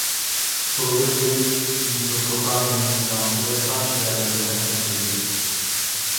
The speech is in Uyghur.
قۇرۇلۇشلىرى مېسوپوتامىيە تۈزلەڭلىكىدە تاش ۋە دەل-دەرەخ كەمچىل ئىدى.